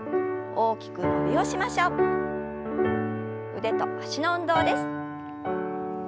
腕と脚の運動です。